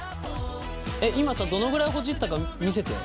今どのくらいほじったか見せて。